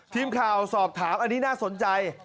ทีมข่าวสอบถามอันนี้น่าสนใจ